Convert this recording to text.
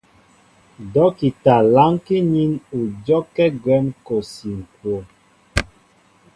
Dɔ́kita lánkí nín ú dyɔ́kɛ́ gwɛ̌m kɔsi ŋ̀kwoo.